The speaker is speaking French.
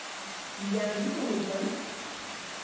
Il y a un guide anglophone ?